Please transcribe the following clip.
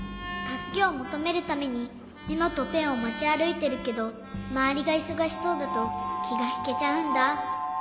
たすけをもとめるためにメモとペンをもちあるいてるけどまわりがいそがしそうだときがひけちゃうんだ。